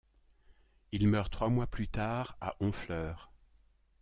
Il meurt trois mois plus tard à Honfleur.